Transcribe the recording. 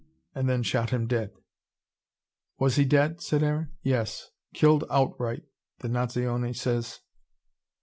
And then shot him dead." "Was he dead?" said Aaron. "Yes killed outright, the Nazione says."